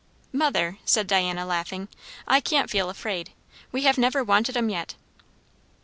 "Mother," said Diana, laughing, "I can't feel afraid. We have never wanted 'em yet."